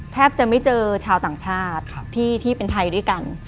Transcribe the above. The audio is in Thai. แทบจะไม่เจอชาวต่างชาติที่เป็นไทยด้วยกัน